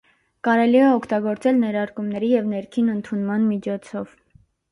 Կարելի է օգտագործել ներարկումների և ներքին ընդունման միջոցով։